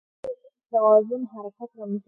غیر توازن حرکت رامنځته کوي.